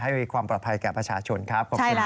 ให้มีความปลอบภัยเกี่ยวส่วนภาษาชนครับ